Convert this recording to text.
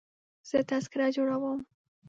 زه تذکره جوړوم.